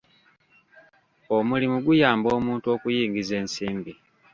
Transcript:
Omulimu guyamba omuntu okuyingiza ensimbi.